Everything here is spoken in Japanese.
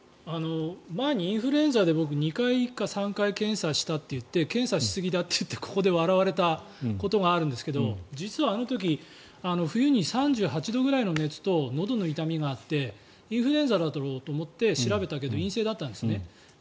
前にインフルエンザで僕、２回か３回検査したといって検査しすぎだっていわれてここで笑われたことがあるんですが実はあの時冬に３８度ぐらいの熱とのどの痛みがあってインフルエンザだろうと思って調べたけど陰性だったんですね。